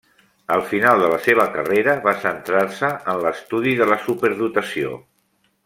Al final de la seva carrera va centrar-se en l'estudi de la superdotació.